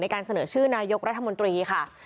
การเสนอชื่อนายกรัฐมนตรีค่ะ